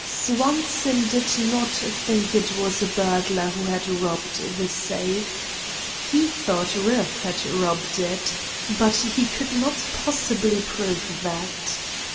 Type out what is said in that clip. Swanson did not think it was a burglar who had robbed the safe. He thought Rueff had robbed it, but he could not possibly prove that.